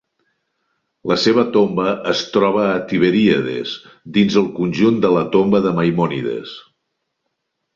La seva tomba es troba a Tiberíades, dins el conjunt de la tomba de Maimònides.